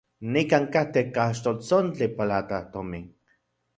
Nikan katej kaxltoltsontli platajtomin.